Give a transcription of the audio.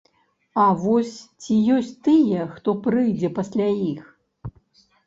А вось ці ёсць тыя, хто прыйдзе пасля іх?